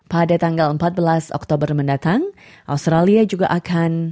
pada tanggal empat belas oktober mendatang australia juga akan